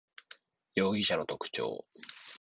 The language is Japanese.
容疑者の特徴